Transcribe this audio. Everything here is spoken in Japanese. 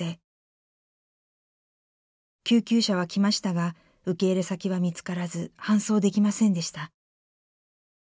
救急車は来ましたが受け入れ先は見つからず搬送できませんでした。